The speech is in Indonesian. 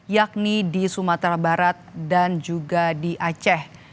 yakni di sumatera barat dan juga di aceh